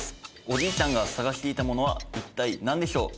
おじいちゃんが探していたものは一体、なんでしょう？